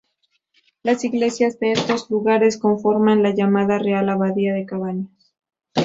Las iglesias de estos lugares conformaban la llamada Real Abadía de Cabañas.